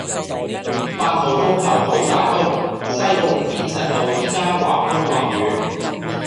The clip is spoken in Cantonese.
八號風球好大風，西貢田石路依家橫風橫雨